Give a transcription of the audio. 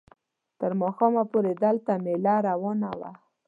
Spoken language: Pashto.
تر ماښامه پورې دلته مېله روانه وه.